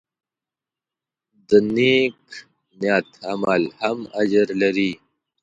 د نیک نیت عمل هم اجر لري.